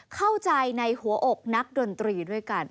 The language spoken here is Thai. เข้าใจในหัวอกนักดนตรีด้วยกัน